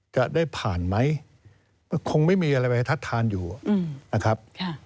จะได้ผ่านไหมก็คงไม่มีอะไรไปทัดทานอยู่นะครับ